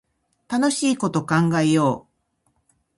楽しいこと考えよう